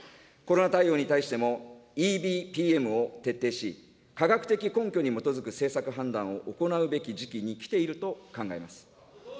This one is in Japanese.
コロナ対応に対しても、ＥＢＰＭを徹底し、科学的根拠に基づく政策判断を行うべき時期に来ていると考えます。